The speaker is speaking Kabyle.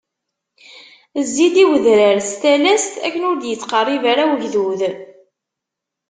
Zzi-d i wedrar s talast akken ur d-ittqerrib ara ugdud.